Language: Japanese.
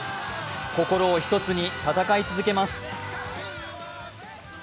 心を１つに、戦い続けます。